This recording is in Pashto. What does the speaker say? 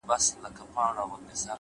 هره ناکامي د راتلونکې لارښوونه ده,